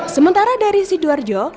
sementara dari sidoarjo